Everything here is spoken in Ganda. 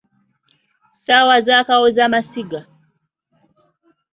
Ssaawa za kawozamasiga.